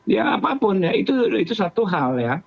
ya apapun ya itu satu hal ya